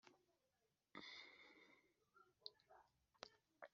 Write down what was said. Nuko Eli amenya ko agomba kuba ari Yehova